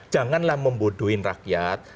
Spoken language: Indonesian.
janganlah membodohin rakyat